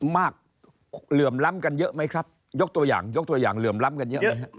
มากเหลื่อมล้ำกันเยอะไหมครับยกตัวอย่างเหลื่อมล้ำกันเยอะไหมครับ